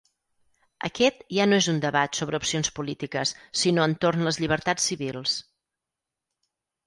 Aquest ja no és un debat sobre opcions polítiques, sinó entorn les llibertats civils.